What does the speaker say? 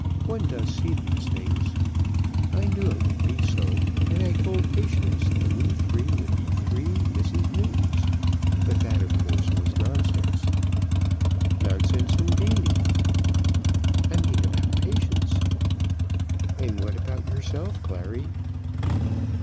One does see these things. I knew it would be so; and I told Patience that we three would be three Mrs. Newtons. But that of course was nonsense." "Nonsense, indeed." "I mean about Patience." "And what about yourself, Clary?"